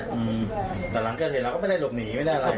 อืมแต่หลังเกิดเหตุเราก็ไม่ได้หลบหนีไม่ได้อะไร